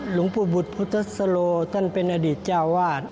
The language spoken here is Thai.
หลวงปู่บุตรพุทธสโลท่านเป็นอดีตเจ้าวาด